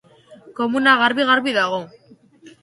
Komuna garbi-garbi dago.